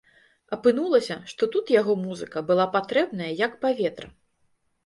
Апынулася, што тут яго музыка была патрэбная, як паветра.